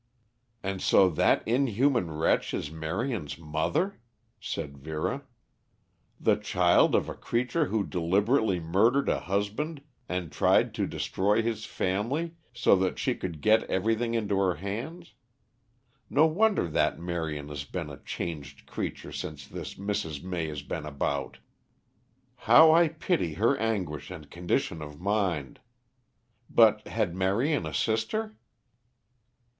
"And so that inhuman wretch is Marion's mother?" said Vera. "The child of a creature who deliberately murdered a husband and tried to destroy his family so that she could get everything into her hands! No wonder that Marion has been a changed creature since this Mrs. May has been about! How I pity her anguish and condition of mind! But had Marion a sister?"